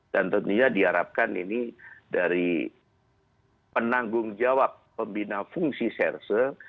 dan tentunya diharapkan ini dari penanggung jawab pembina fungsi serse